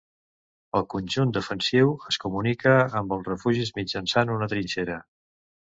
El conjunt defensiu es comunica amb els refugis mitjançant una trinxera.